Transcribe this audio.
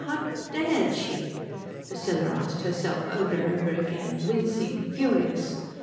How dared she? Priscilla asked herself over and over again, wincing, furious.